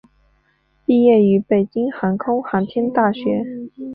毕业于北京航空航天大学。